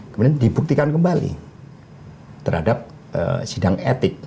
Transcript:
kemudian dibuktikan kembali terhadap sidang etik